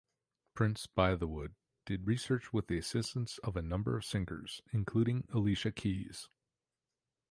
Prince-Bythewood did research with the assistance of a number of singers, including Alicia Keys.